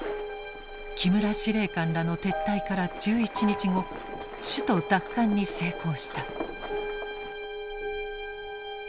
木村司令官らの撤退から１１日後首都奪還に成功した。